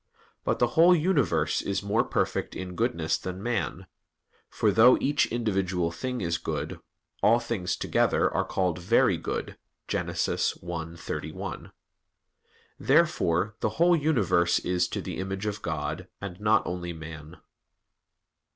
But the whole universe is more perfect in goodness than man; for though each individual thing is good, all things together are called "very good" (Gen. 1:31). Therefore the whole universe is to the image of God, and not only man.